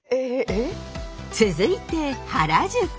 続いて原宿。